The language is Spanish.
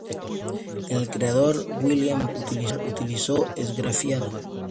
El creador, Wilhelm Walther, utilizó esgrafiado.